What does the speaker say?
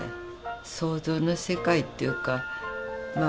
想像の世界っていうかまあ